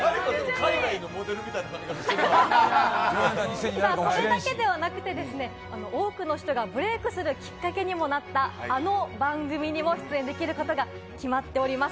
海外のモデルみたいな髪形しこれだけではなくて、多くの人がブレークするきっかけにもなった、あの番組にも出演できることが決まっております。